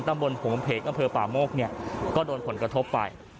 ต้มบนห่วงเพชรมปาโมกเนี้ยก็โดนผลกระทบไป